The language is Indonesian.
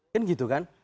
kan gitu kan